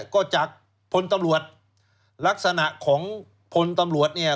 ก็จากพลตำรวจลักษณะของพลตำรวจเนี่ย